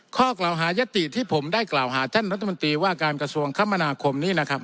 ข้อกล่าวหายศติที่ผมได้กล่าวหาท่านรัฐบัติว่ากรรมกระทรวงคมานาคม